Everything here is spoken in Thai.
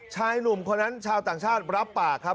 ชายหนุ่มคนนั้นชาวต่างชาติรับปากครับ